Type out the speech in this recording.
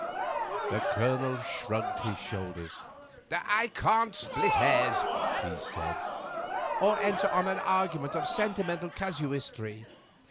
The Colonel shrugged his shoulders. "I can't split hairs," he said, "or enter on an argument of sentimental casuistry.